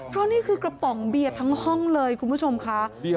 เพราะนี่คือกระป๋องเบียร์ทั้งห้องเลยคุณผู้ชมค่ะ